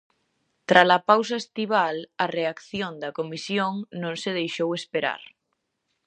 Trala pausa estival, a reacción da Comisión non se deixou esperar.